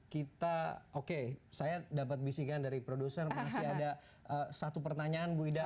kita oke saya dapat bisikan dari produser masih ada satu pertanyaan bu ida